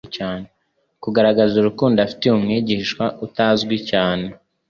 kugaragaza urukundo afitiye Umwigisha utazwi cyane.